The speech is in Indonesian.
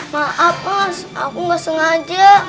maaf mas aku nggak sengaja